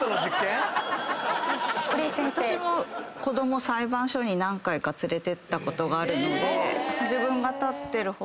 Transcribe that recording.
子供裁判所に何回か連れてったことがあるので。